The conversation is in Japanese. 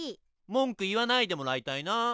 文句言わないでもらいたいな。